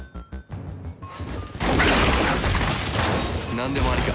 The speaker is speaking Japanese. なんでもありか。